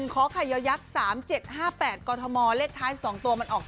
ขอไข่ยักษ์๓๗๕๘กรทมเลขท้าย๒ตัวมันออก